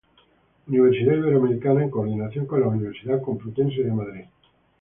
Universidad Iberoamericana en coordinación con la Universidad Complutense de Madrid.